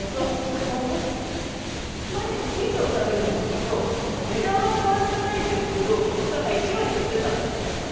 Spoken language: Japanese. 毎日チーズを食べるんですけど、値段は変わってないんですけど、重さが１割減ってたんですよね。